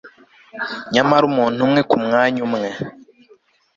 Nyamara umuntu umwe kumwanya umwe